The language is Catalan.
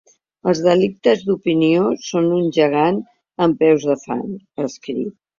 Els delictes d’opinió són un gegant amb peus de fang, ha escrit.